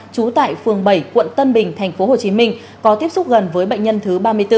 trú tại phường bảy quận tân bình tp hcm có tiếp xúc gần với bệnh nhân thứ ba mươi bốn